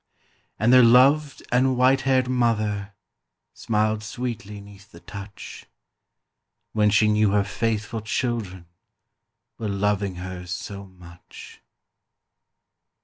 And their loved and white haired mother Smiled sweetly 'neath the touch, When she knew her faithful children Were loving her so much.